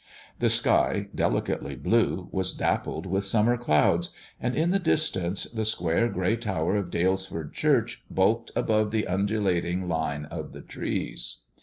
The sky, delicately blue, was dappled with summer clouds, and in the distance the square grey tower of Dalesford Church bulked above the undulating line of the trees.